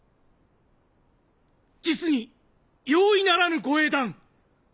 実に容易ならぬご英断！